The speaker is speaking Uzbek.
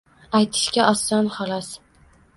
Aytishga oson xolos